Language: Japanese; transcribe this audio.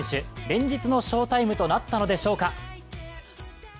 連日の翔タイムとなったのでしょうか。